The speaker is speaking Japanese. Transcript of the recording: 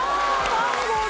マンゴーだ！